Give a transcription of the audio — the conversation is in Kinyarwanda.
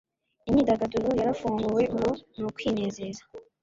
Imyidagaduro yarafunguwe ubu nukwinezeza